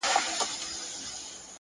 د زړه پاکوالی باور زېږوي!